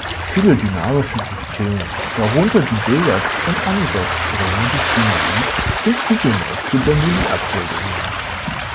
Viele dynamische Systeme, darunter die Billard- und Anosov-Ströme des Sinai, sind isomorph zu Bernoulli-Abbildungen.